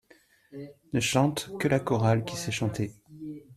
Ne chante que la chorale qui sait chanter.